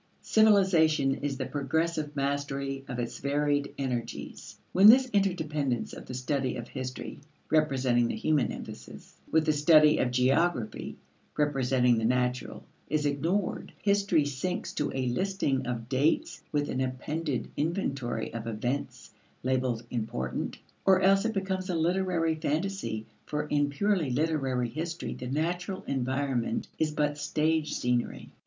Civilization is the progressive mastery of its varied energies. When this interdependence of the study of history, representing the human emphasis, with the study of geography, representing the natural, is ignored, history sinks to a listing of dates with an appended inventory of events, labeled "important"; or else it becomes a literary phantasy for in purely literary history the natural environment is but stage scenery.